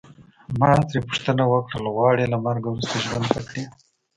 ما ترې پوښتنه وکړل غواړې له مرګه وروسته ژوند وکړې.